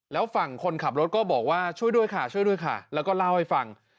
แล้วฝั่งคนขับรถก็บอกว่าช่วยด้วยค่ะช่วยด้วยค่ะแล้วก็เล่าให้ฟัง